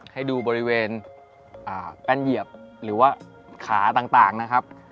ให้ดูบริเวณแป้นเหยียบหรือว่าขาต่างนะครับ